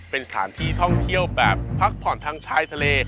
เป็นสถานที่ท่องเที่ยวแบบพักผ่อนทางชายทะเล